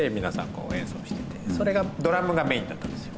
こう演奏しててそれがドラムがメインだったんですよ